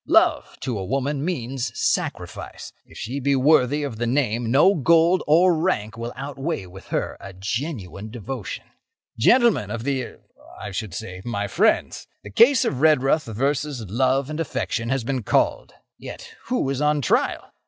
Love, to a woman, means sacrifice. If she be worthy of the name, no gold or rank will outweigh with her a genuine devotion. "Gentlemen of the—er—I should say, my friends, the case of Redruth versus love and affection has been called. Yet, who is on trial?